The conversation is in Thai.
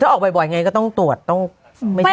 ออกบ่อยไงก็ต้องตรวจต้องไม่ใช่